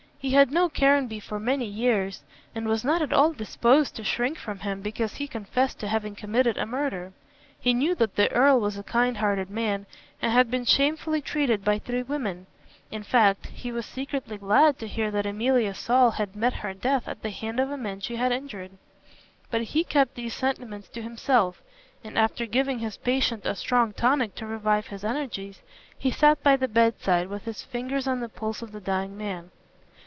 He had known Caranby for many years, and was not at all disposed to shrink from him because he confessed to having committed a murder. He knew that the Earl was a kind hearted man and had been shamefully treated by three women. In fact, he was secretly glad to hear that Emilia Saul had met her death at the hand of a man she had injured. But he kept these sentiments to himself, and after giving his patient a strong tonic to revive his energies, he sat by the bedside with his fingers on the pulse of the dying man.